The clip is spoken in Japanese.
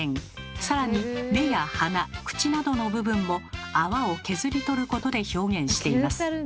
更に目や鼻口などの部分も泡を削り取ることで表現しています。